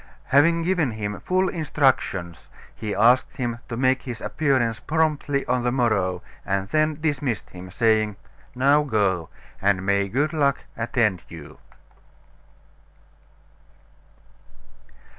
Having given him full instructions, he asked him to make his appearance promptly on the morrow, and then dismissed him, saying: "Now go; and may good luck attend you!"